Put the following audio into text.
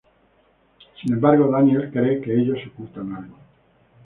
Sin embargo, Daniel cree que ellos ocultan algo.